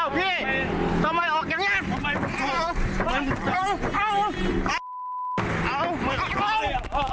แป๊บแป๊บละ